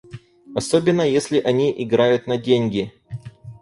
Особенно, если они играют на деньги.